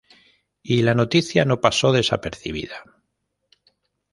Y la noticia no pasó desapercibida.